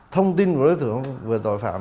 thông tin của đối tượng về tội phạm